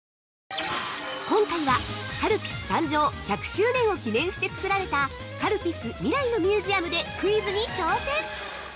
今回は、カルピス誕生１００周年を記念して造られたカルピスみらいのミュージアムでクイズに挑戦。